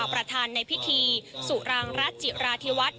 ประธานในพิธีสุรางรัฐจิราธิวัฒน์